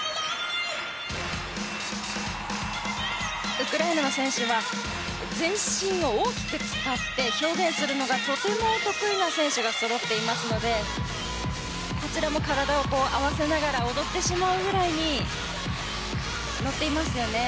ウクライナの選手は全身を大きく使って表現するのがとても得意な選手がそろっていますのでこちらも体を合わせながら踊ってしまうぐらいに乗っていますよね。